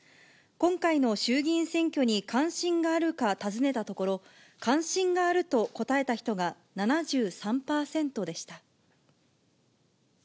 今回の衆議院選挙に関心があるか尋ねたところ、関心があると答えた人が７３％でした。